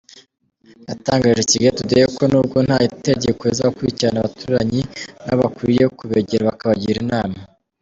"Yatangaije Kigali Today ko nubwo nta tegeko rizabakurikirana, abaturanyi nabo bakwiye kubegera bakabagira inama.